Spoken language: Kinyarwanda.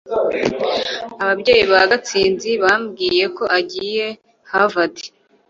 ababyeyi ba gatsinzi bambwiye ko agiye harvard